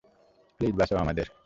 Please, বাঁচাও আমাদের!